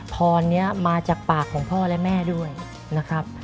พรนี้มาจากปากของพ่อและแม่ด้วยนะครับ